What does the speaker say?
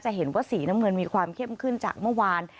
เห็นว่าสีน้ำเงินมีความเข้มขึ้นจากเมื่อวาน